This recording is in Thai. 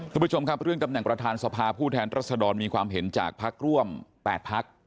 คุณผู้ชมครับเรื่องตำแหน่งประธานสภาผู้แทนรัศดรมีความเห็นจากพักร่วม๘พัก